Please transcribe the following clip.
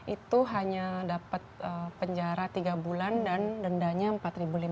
itu hanya dapat penjara tiga bulan dan dendanya empat lima ratus